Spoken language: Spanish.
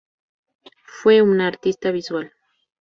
Fue una artista visual.